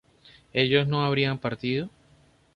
¿ellos no habrían partido?